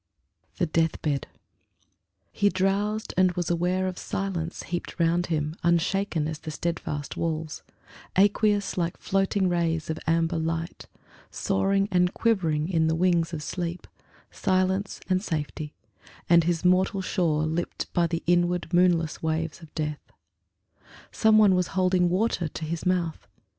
THE DEATH BED He drowsed and was aware of silence heaped Round him, unshaken as the steadfast walls; Aqueous like floating rays of amber light, Soaring and quivering in the wings of sleep, Silence and safety; and his mortal shore Lipped by the inward, moonless waves of death. Some one was holding water to his mouth.